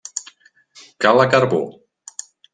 Cala carbó.